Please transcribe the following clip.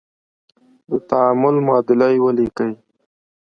د تعامل معادله یې ولیکئ.